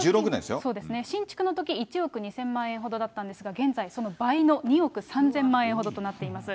そうですね、新築のとき１億２０００万円ほどだったんですが、現在、その倍の２億３０００万円ほどとなっています。